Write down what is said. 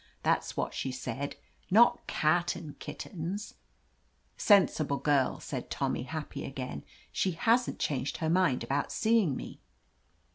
That's what she saidl Not cat and kittens —" Sensible girl," said Tommy, happy again. She hasn't changed her mind about seeing me?"